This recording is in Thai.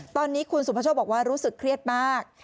ตอนนี้คุณสุภาโชคบอกว่ารู้สึกเครียดมาก